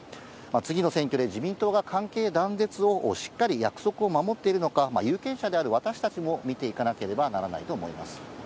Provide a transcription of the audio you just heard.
次の選挙で自民党が関係断絶を、しっかり約束を守っているのか、有権者である私たちも、見ていかなければならないと思います。